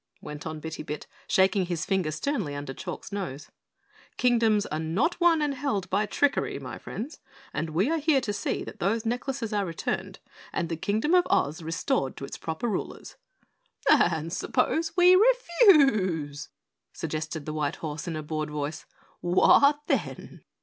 went on Bitty Bit, shaking his finger sternly under Chalk's nose. "Kingdoms are not won and held by trickery, my friends, and we are here to see that those necklaces are returned and the Kingdom of Oz restored to its proper rulers." "And suppose we refuse!" suggested the white horse in a bored voice. "What then?"